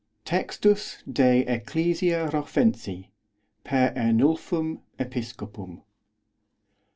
Textus de Ecclesiâ Roffensi, per Ernulfum Episcopum.